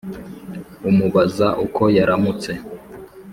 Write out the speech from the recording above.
umubaza uko yaramutse